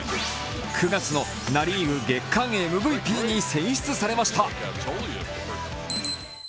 ９月のナ・リーグ月間ＭＶＰに選出されました。